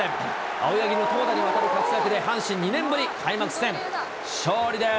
青柳の投打にわたる活躍で阪神、２年ぶり開幕戦勝利です。